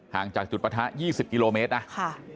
ห่างจากจุดประทะยี่สิบกิโลเมตรนะค่ะ